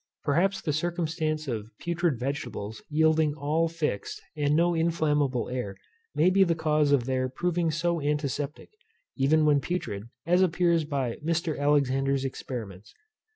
Perhaps the circumilance of putrid vegetables yielding all fixed and no inflammable air may be the causes of their proving so antiseptic, even when putrid, as appears by Mr. Alexander's Experiments.